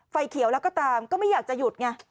ไฟเขียวแล้วก็ตามก็ไม่อยากจะหยุดไง